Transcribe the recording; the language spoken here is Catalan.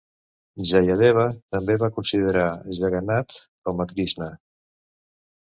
Jayadeva també va considerar Jagannath com a Krishna.